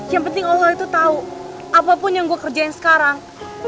yang penting kalo hal itu tau apapun yang gue kerjain sekarang